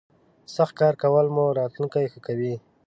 سخت کار کولو مو راتلوونکی ښه کوي.